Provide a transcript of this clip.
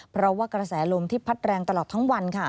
เพราะว่ากระแสลมที่พัดแรงตลอดทั้งวัน